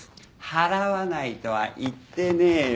払わないとは言ってねえよ。